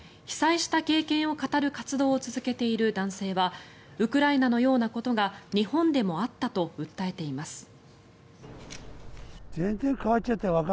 被災した経験を語る活動を続けている男性はウクライナのようなことが日本でもあったと訴えています。